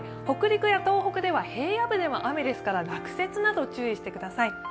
北陸や東北では平野部では雨ですから落雪など、注意してください。